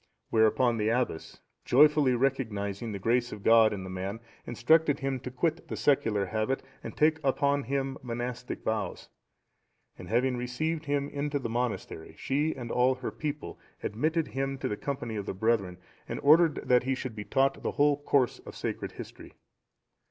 Whereupon the abbess, joyfully recognizing the grace of God in the man, instructed him to quit the secular habit, and take upon him monastic vows; and having received him into the monastery, she and all her people admitted him to the company of the brethren, and ordered that he should be taught the whole course of sacred history.